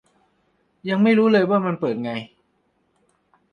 ยังไม่รู้เลยว่ามันเปิดไง